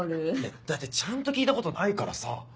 だってちゃんと聞いたことないからさ。